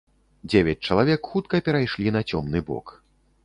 Дзевяць чалавек, хутка перайшлі на цёмны бок.